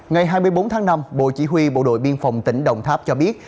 ngày hai mươi bốn tháng năm bộ chỉ huy bộ đội biên phòng tỉnh đồng tháp cho biết